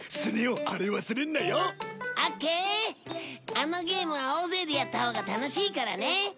あのゲームは大勢でやったほうが楽しいからね！